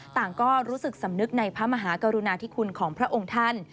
ต่างก็รู้สึกสำนึกในพระมหากรุณาธิคุณของพระองค์ท่าน